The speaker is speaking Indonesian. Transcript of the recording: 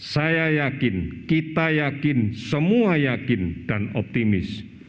saya yakin kita yakin semua yakin dan optimis